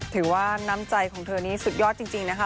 ถือว่าน้ำใจของเธอนี้สุดยอดจริงนะคะ